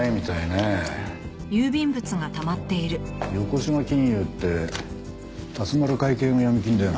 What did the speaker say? おい横島金融って龍丸会系の闇金だよな？